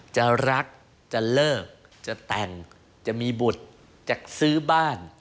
จะรักจะเลิกจะแต่งจะมีบุตรจะซื้อบ้าน